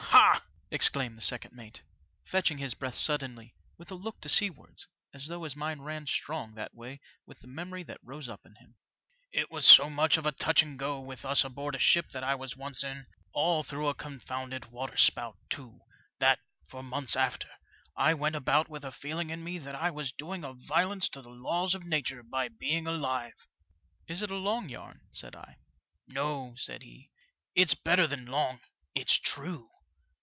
" Ha !" exclaimed the second mate, fetching his breath suddenly, with a look to seawards, as though his mind ran strong that way with the memory that rose up in him, it was so much of a touch and go with us aboard a ship that I was once in, all through a con founded waterspout, too, that, for months after, I went about with a feeling in me that I was doing a violence to the laws of nature by being alive." 7(5 FOUL OF A WATERSPOUT. " Is it a long yarn ?" said I. " No," said he ;*' it's better than long, it's true."